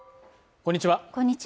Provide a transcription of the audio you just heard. こんにちは